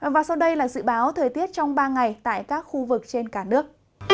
và sau đây là dự báo thời tiết trong ba ngày tại các khu vực trên cả nước